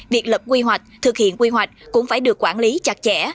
việc lập quy hoạch thực hiện quy hoạch cũng phải được quản lý chặt chẽ